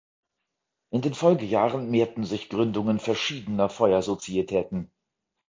In den Folgejahren mehrten sich Gründungen verschiedener Feuer-Sozietäten.